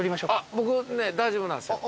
僕大丈夫なんすよ。